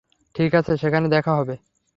ঠিক আছে, সেখানে দেখা হবে।